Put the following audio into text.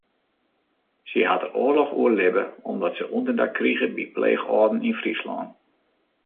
Sy hat de oarloch oerlibbe omdat se ûnderdak krige by pleechâlden yn Fryslân.